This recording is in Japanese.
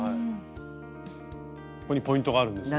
ここにポイントがあるんですね？